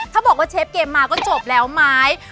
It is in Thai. ถ้าบอกว่าเชฟเกมมาก็จบแล้วไหม